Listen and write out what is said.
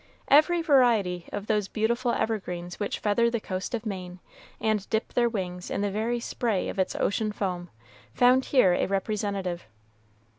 Every variety of those beautiful evergreens which feather the coast of Maine, and dip their wings in the very spray of its ocean foam, found here a representative.